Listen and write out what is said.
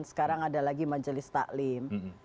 sekarang ada lagi majelis taklim